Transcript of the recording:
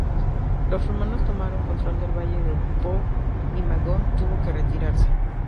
Los romanos tomaron control del valle del Po y Magón tuvo que retirarse.